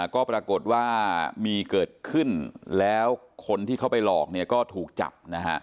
ก็ปรากฏว่ามีเกิดขึ้นแล้วคนที่เขาไปหลอกเนี่ยก็ถูกจับนะฮะ